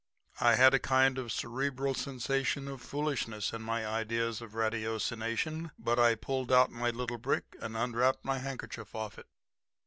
"I had a kind of cerebral sensation of foolishness in my ideas of ratiocination; but I pulled out the little brick and unwrapped my handkerchief off it.